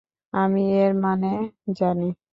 আমি এর মানে জানি।